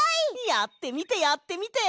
やってみてやってみて！